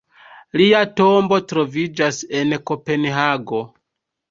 Lia tombo troviĝas en Kopenhago.